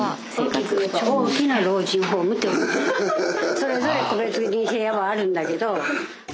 それぞれ個別に部屋はあるんだけど。